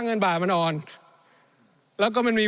ในช่วงที่สุดในรอบ๑๖ปี